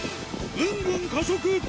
ぐんぐん加速！